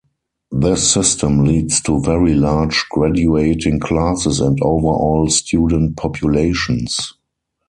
This system leads to very large graduating classes and overall student populations.